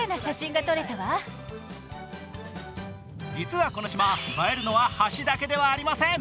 実はこの島、映えるのは橋だけではありません。